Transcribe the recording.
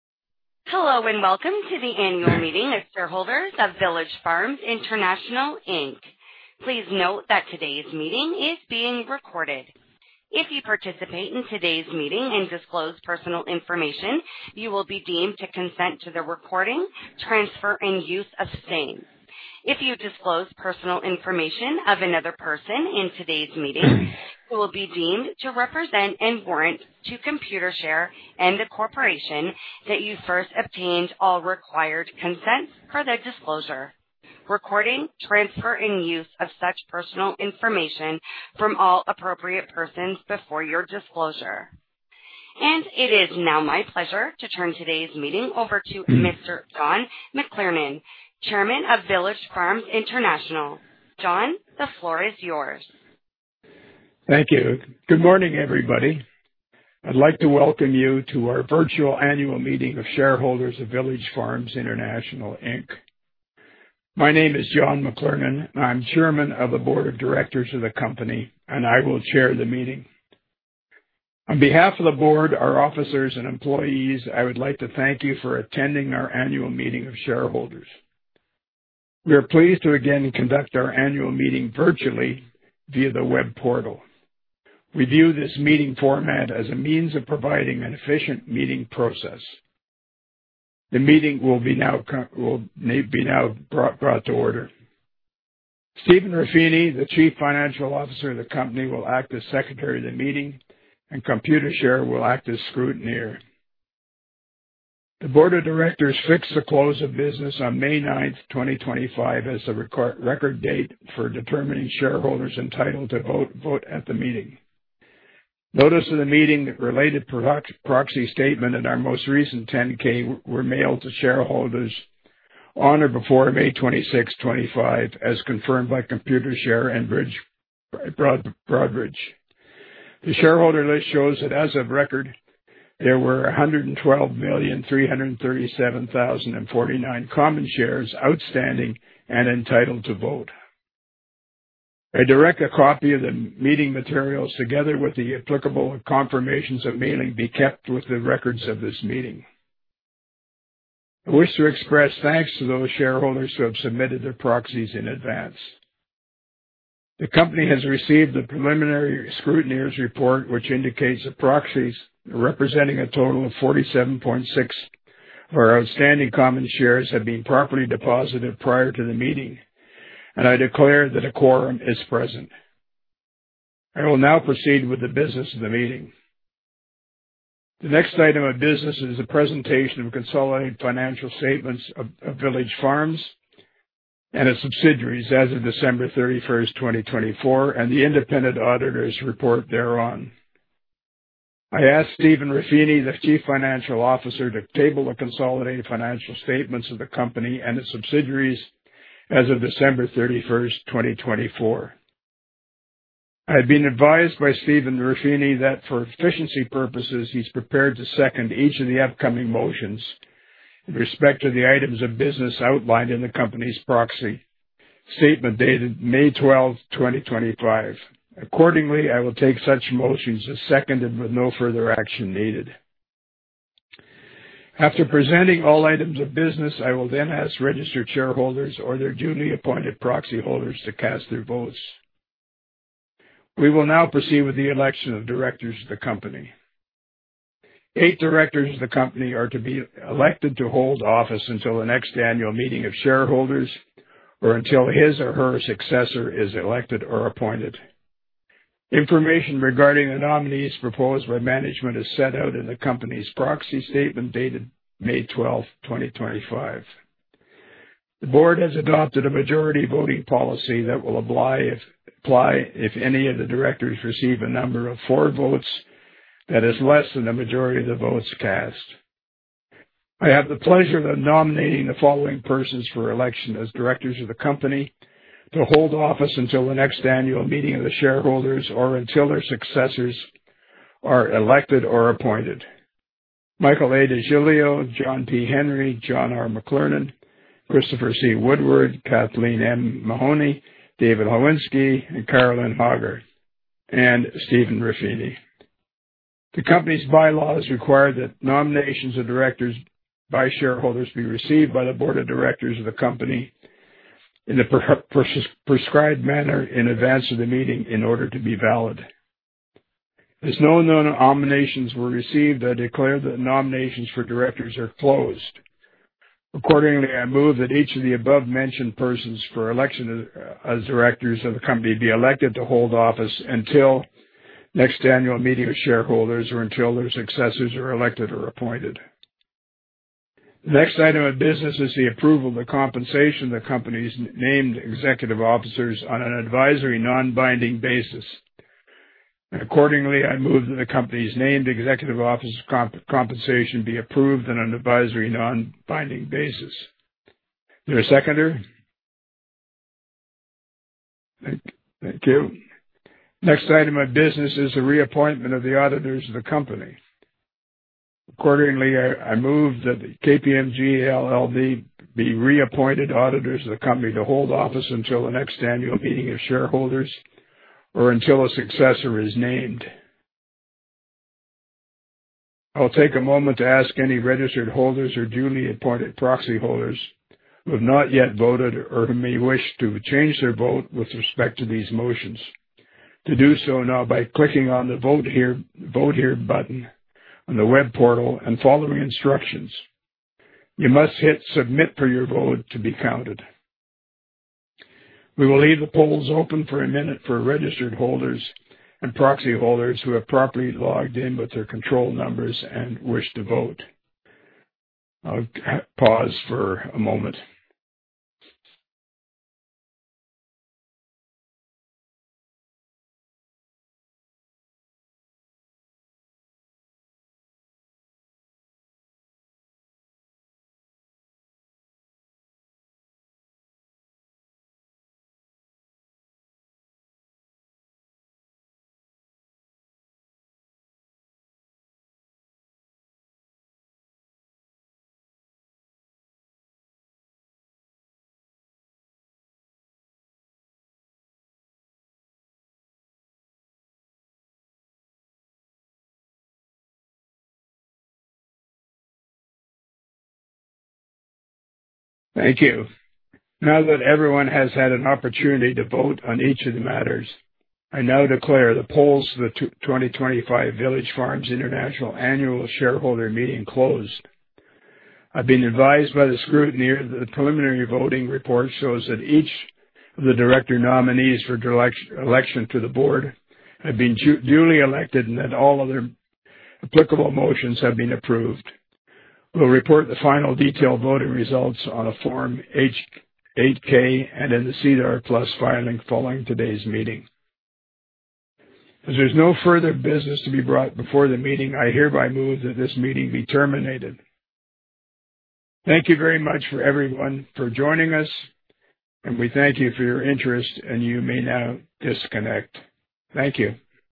Hello and welcome to the annual meeting of shareholders of Village Farms International Inc. Please note that today's meeting is being recorded. If you participate in today's meeting and disclose personal information, you will be deemed to consent to the recording, transfer, and use of the same. If you disclose personal information of another person in today's meeting, you will be deemed to represent and warrant to Computershare and the corporation that you first obtained all required consent for the disclosure, recording, transfer, and use of such personal information from all appropriate persons before your disclosure, and it is now my pleasure to turn today's meeting over to Mr. John McLernon, Chairman of Village Farms International. John, the floor is yours. Thank you. Good morning, everybody. I'd like to welcome you to our virtual annual meeting of shareholders of Village Farms International Inc. My name is John McLernon. I'm Chairman of the Board of Directors of the company, and I will chair the meeting. On behalf of the board, our officers, and employees, I would like to thank you for attending our annual meeting of shareholders. We are pleased to again conduct our annual meeting virtually via the web portal. We view this meeting format as a means of providing an efficient meeting process. The meeting will be now brought to order. Stephen Ruffini, the Chief Financial Officer of the company, will act as Secretary of the meeting, and Computershare will act as scrutineer. The Board of Directors fixed the close of business on May 9th, 2025, as the record date for determining shareholders entitled to vote at the meeting. Notice of the meeting, related proxy statement, and our most recent 10-K were mailed to shareholders on or before May 26th, 2025, as confirmed by Computershare and Broadridge. The shareholder list shows that as of record, there were 112,337,049 common shares outstanding and entitled to vote. I direct a copy of the meeting materials together with the applicable confirmations of mailing be kept with the records of this meeting. I wish to express thanks to those shareholders who have submitted their proxies in advance. The company has received the preliminary scrutineer's report, which indicates the proxies representing a total of 47.6% of our outstanding common shares have been properly deposited prior to the meeting, and I declare that a quorum is present. I will now proceed with the business of the meeting. The next item of business is the presentation of consolidated financial statements of Village Farms and its subsidiaries as of December 31st, 2024, and the independent auditor's report thereon. I asked Stephen Ruffini, the Chief Financial Officer, to table the consolidated financial statements of the company and its subsidiaries as of December 31st, 2024. I have been advised by Stephen Ruffini that for efficiency purposes, he's prepared to second each of the upcoming motions with respect to the items of business outlined in the company's proxy statement dated May 12th, 2025. Accordingly, I will take such motions as seconded with no further action needed. After presenting all items of business, I will then ask registered shareholders or their duly appointed proxy holders to cast their votes. We will now proceed with the election of directors of the company. Eight directors of the company are to be elected to hold office until the next annual meeting of shareholders or until his or her successor is elected or appointed. Information regarding the nominees proposed by management is set out in the company's proxy statement dated May 12th, 2025. The board has adopted a majority voting policy that will apply if any of the directors receive a number of votes that is less than the majority of the votes cast. I have the pleasure of nominating the following persons for election as directors of the company to hold office until the next annual meeting of the shareholders or until their successors are elected or appointed: Michael A. DeGiglio, John P. Henry, John R. McLernon, Christopher C. Woodward, Kathleen M. Mahoney, David Holinsky, Carolyn Hauger, and Stephen Ruffini. The company's bylaws require that nominations of directors by shareholders be received by the board of directors of the company in the prescribed manner in advance of the meeting in order to be valid. As no known nominations were received, I declare that nominations for directors are closed. Accordingly, I move that each of the above-mentioned persons for election as directors of the company be elected to hold office until the next annual meeting of shareholders or until their successors are elected or appointed. The next item of business is the approval of the compensation of the company's named executive officers on an advisory non-binding basis. Accordingly, I move that the company's named executive officers' compensation be approved on an advisory non-binding basis. Is there a seconder? Thank you. The next item of business is the reappointment of the auditors of the company. Accordingly, I move that the KPMG LLP be reappointed auditors of the company to hold office until the next annual meeting of shareholders or until a successor is named. I'll take a moment to ask any registered holders or duly appointed proxy holders who have not yet voted or may wish to change their vote with respect to these motions to do so now by clicking on the Vote Here button on the web portal and following instructions. You must hit Submit for your vote to be counted. We will leave the polls open for a minute for registered holders and proxy holders who have properly logged in with their control numbers and wish to vote. I'll pause for a moment. Thank you. Now that everyone has had an opportunity to vote on each of the matters, I now declare the polls of the 2025 Village Farms International Annual Shareholder Meeting closed. I've been advised by the scrutineer that the preliminary voting report shows that each of the director nominees for election to the board have been duly elected and that all other applicable motions have been approved. We'll report the final detailed voting results on a Form 8-K and in the SEDAR+ filing following today's meeting. As there's no further business to be brought before the meeting, I hereby move that this meeting be terminated. Thank you very much for everyone for joining us, and we thank you for your interest, and you may now disconnect. Thank you.